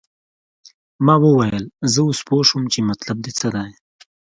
ما وویل زه اوس پوه شوم چې مطلب دې څه دی.